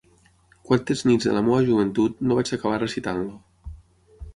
Quantes nits de la meva joventut no vaig acabar recitant-lo.